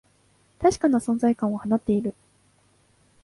確かな存在感を放っている